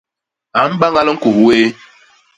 A mbañal ñkus wéé.